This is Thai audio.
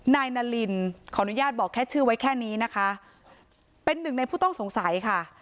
นายนารินขออนุญาตบอกแค่ชื่อไว้แค่นี้นะคะเป็นหนึ่งในผู้ต้องสงสัยค่ะ